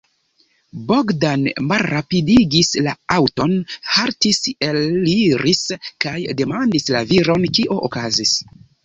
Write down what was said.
Bogdan malrapidigis la aŭton, haltis, eliris kaj demandis la viron, kio okazis.